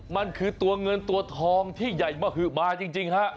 มันคือตัวเงินตัวทองที่ใหญ่มหือมาจริงฮะ